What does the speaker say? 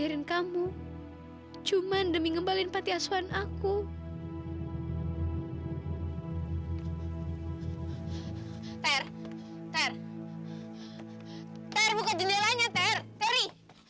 ter ter ter buka jendelanya ter teri